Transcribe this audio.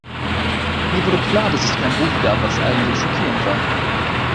Mir wurde klar, dass es kein Buch gab, was eigentlich schockierend war.